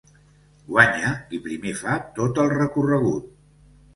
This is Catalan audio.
Guanya qui primer fa tot el recorregut.